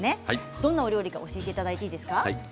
どんなお料理か教えていただいていいですか。